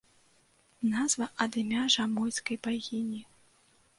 Назва ад імя жамойцкай багіні.